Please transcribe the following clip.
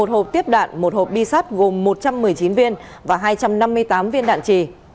một hộp tiếp đạn một hộp bi sát gồm một trăm một mươi chín viên và hai trăm năm mươi tám viên đạn trì